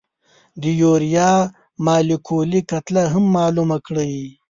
د یوریا مالیکولي کتله هم معلومه کړئ.